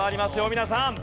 皆さん！